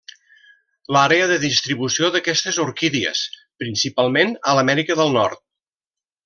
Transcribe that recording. L'àrea de distribució d'aquestes orquídies principalment a l'Amèrica del Nord.